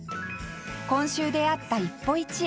今週出会った一歩一会